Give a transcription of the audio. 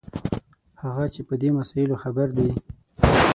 هغه چې په دې مسایلو خبر دي.